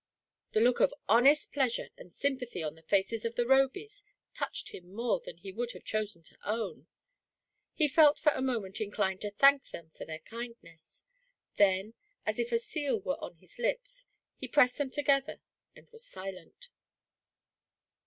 The look of honest pleasure and sympathy on the faces of the Robys touched him more than he would have chosen to own ; he felt for a moment inclined to thank them for their kindness, then, as if a seal were on his lips, he pressed them together and was silent.